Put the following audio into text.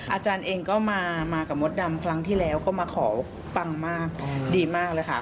อาจารย์เองก็มากับมดดำครั้งที่แล้วก็มาขอปังมากดีมากเลยค่ะ